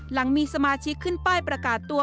หลังมีสมาชิกขึ้นป้ายประกาศตัว